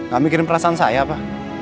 gak mikirin perasaan saya pak